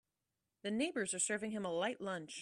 The neighbors are serving him a light lunch.